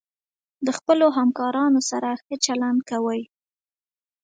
د خپلو همکارانو سره ښه چلند کوئ.